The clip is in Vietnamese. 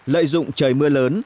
lợi dụng trời mưa lớn